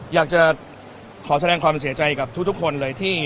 อยากจะขอแสดงความเสียใจกับทุกคนเลย